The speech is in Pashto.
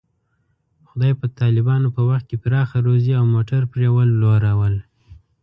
خدای په طالبانو په وخت کې پراخه روزي او موټر پرې ولورول.